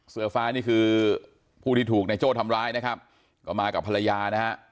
เสื้อฟ้านี่คือผู้ที่ถูกนายโจ้ทำร้ายนะครับก็มากับภรรยานะฮะ